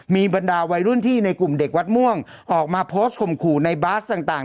มีบรรดาวัยรุ่นที่ในกลุ่มเด็กวัดม่วงออกมาโพสต์ข่มขู่ในบาสต่าง